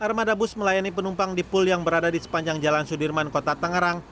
armada bus melayani penumpang di pul yang berada di sepanjang jalan sudirman kota tangerang